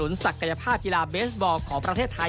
จะค่าทีและเป็นบอร์ของประเทศไทย